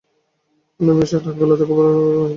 অন্যের বিষয়ে নাক গলাতে তোমার খুব ভালো লাগে, তাই না?